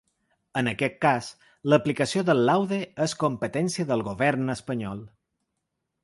En aquest cas, l’aplicació del laude és competència del govern espanyol.